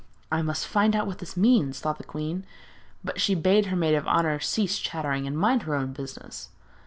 'I must find out what this means,' thought the queen. But she bade her maid of honour cease chattering and mind her own business.